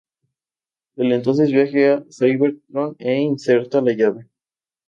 Él entonces viaja a Cybertron, e inserta la Llave.